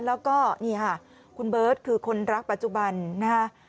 แล้วก็นี่ค่ะคุณเบิร์ตคือคนรักปัจจุบันนะคะ